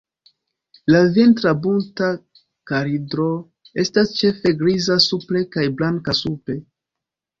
La vintra Bunta kalidro estas ĉefe griza supre kaj blanka sube.